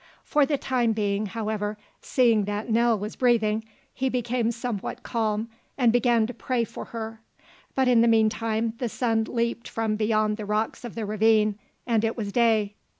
For the time being, however, seeing that Nell was breathing, he became somewhat calm and began to pray for her. But in the meantime the sun leaped from beyond the rocks of the ravine and it was day.